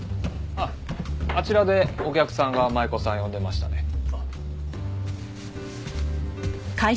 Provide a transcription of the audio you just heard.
あっあちらでお客さんが舞子さんを呼んでましたね。